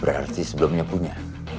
berarti sebelumnya punya